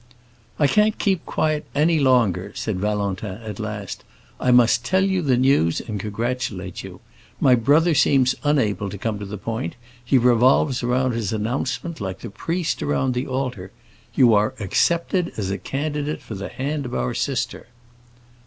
"I can't keep quiet any longer," said Valentin, at last. "I must tell you the news and congratulate you. My brother seems unable to come to the point; he revolves around his announcement like the priest around the altar. You are accepted as a candidate for the hand of our sister."